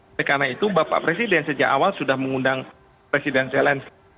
oleh karena itu bapak presiden sejak awal sudah mengundang presiden zelensky